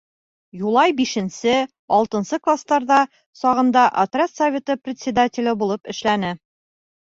Юлай бишенсе, алтынсы кластарҙа сағында отряд советы председателе булып эшләне.